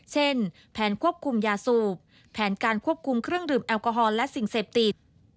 เช่นแผนควบคุมยาสูบแผนการควบคุมเครื่องดื่มแอลกอฮอลและสิ่งเสพติด